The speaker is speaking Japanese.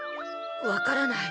わからない。